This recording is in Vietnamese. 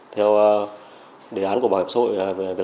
theo đề án của bảo hiểm xã hội